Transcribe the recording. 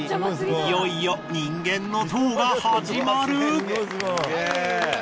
いよいよ人間の塔が始まる。